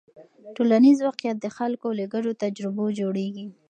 ټولنیز واقیعت د خلکو له ګډو تجربو جوړېږي.